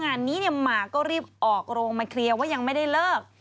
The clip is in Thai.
งานนี้เนี่ยหมากก็รีบออกโรงมาเคลียร์ว่ายังไม่ได้เลิก